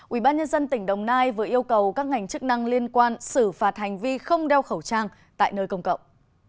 ubnd tỉnh đồng nai vừa yêu cầu các ngành chức năng liên quan xử phạt hành vi không đeo khẩu trang tại nơi công cộng